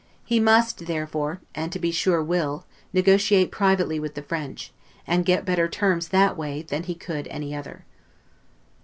He must therefore, and to be sure will, negotiate privately with the French, and get better terms that way than he could any other.